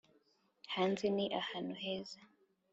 hanze ni ahantu heza.